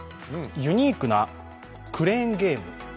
ユニークなクレーンゲーム。